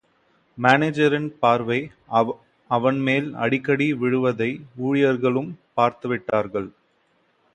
மானேஜரின் பார்வை, அவன்மேல் அடிக்கடி விழுவதை ஊழியர்களும் பார்த்துவிட்டார்கள்.